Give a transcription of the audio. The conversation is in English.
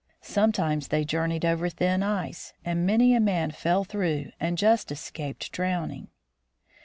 Some times they journeyed over thin ice, and many a man fell through and just escaped drowning.